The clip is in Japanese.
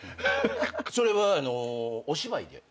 それはお芝居で？